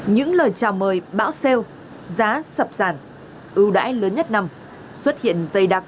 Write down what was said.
những lời chào mời bão xeo giá sập sàn ưu đãi lớn nhất năm xuất hiện dày đặc trị